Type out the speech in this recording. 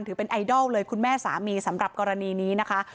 ถือเป็นไอดอลเลยคุณแม่สามีสำหรับกรณีนี้นะคะ